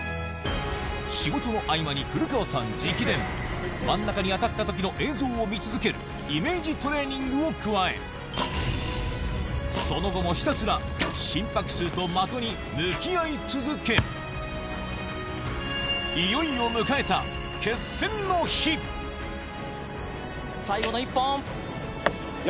仕事の合間に古川さん直伝、真ん中に当たったときの映像を見続けるイメージトレーニングを加え、その後もひたすら、心拍数と的に向き合い続け、最後の一本。